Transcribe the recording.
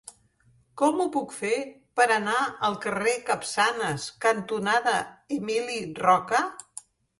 Com ho puc fer per anar al carrer Capçanes cantonada Emili Roca?